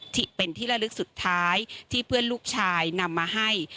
ที่เป็นที่ละลึกสุดท้ายที่เพื่อนลูกชายนำมาให้